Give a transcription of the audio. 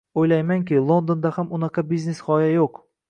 Oʻylaymanki, Londonda ham unaqa biznes gʻoya yoʻq.